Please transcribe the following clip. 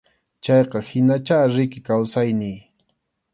Chayqa hinachá riki kawsayniy.